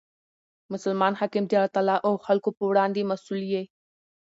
مسلمان حاکم د الله تعالی او خلکو په وړاندي مسئول يي.